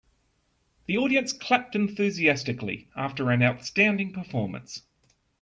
The audience clapped enthusiastically after an outstanding performance.